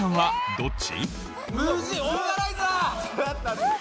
・どっち？